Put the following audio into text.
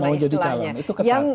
mau jadi calon